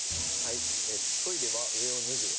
トイレは上を脱ぐ。